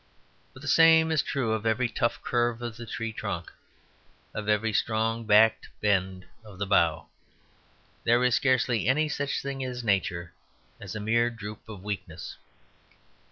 But the same is true of every tough curve of the tree trunk, of every strong backed bend of the bough; there is hardly any such thing in Nature as a mere droop of weakness.